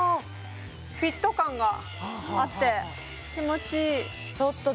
フィット感があって気持ちいいちょっとね